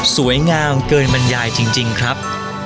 สวยงามเกินบรรยายจริงครับ